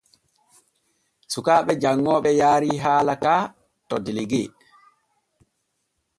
Sukaaɓe janŋooɓe yaarii haala ka to delegue.